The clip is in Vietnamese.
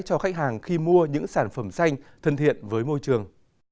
cho khách hàng khi mua những sản phẩm xanh thân thiện với môi trường